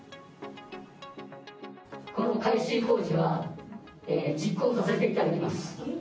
この改修工事は、実行させていただきます。